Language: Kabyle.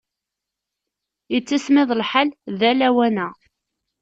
Yettismiḍ lḥal da lawan-a.